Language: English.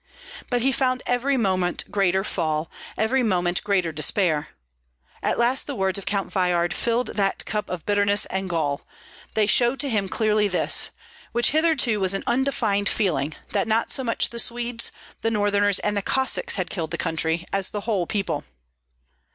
But he found every moment greater fall, every moment greater despair. At last the words of Count Veyhard filled that cup of bitterness and gall; they showed to him clearly this, which hitherto was an undefined feeling, that not so much the Swedes, the Northerners, and the Cossacks had killed the country, as the whole people.